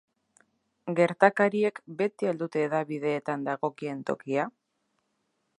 Gertakariek beti al dute hedabideetan dagokien tokia?